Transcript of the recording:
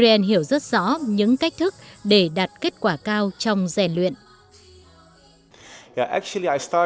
xin chào các bạn cảm thấy thế nào về người việt nam